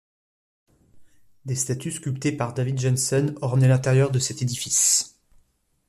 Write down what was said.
Des statues sculptées par David Jensen ornaient l'intérieur de cet édifice.